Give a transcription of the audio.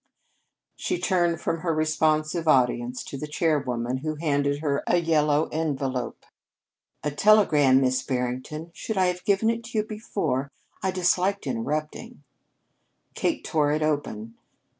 She turned from her responsive audience to the chairwoman, who handed her a yellow envelope. "A telegram, Miss Barrington. Should I have given it to you before? I disliked interrupting." Kate tore it open.